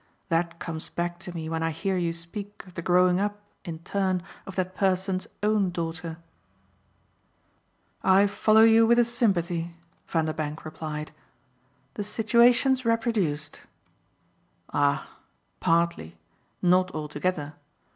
That comes back to me when I hear you speak of the growing up, in turn, of that person's own daughter." "I follow you with a sympathy !" Vanderbank replied. "The situation's reproduced." "Ah partly not altogether.